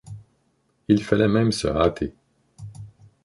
Il fallait même se hâter.